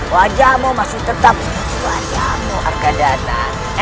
wajahmu masih tetap wajahmu harga data